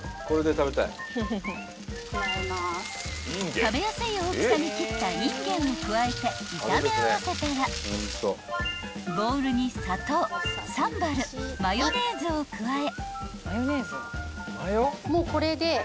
［食べやすい大きさに切ったいんげんを加えて炒め合わせたらボウルに砂糖サンバルマヨネーズを加え］